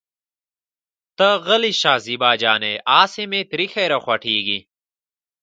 ته غلې شه زېبا جانې اسې مې تريخی راخوټکېږي.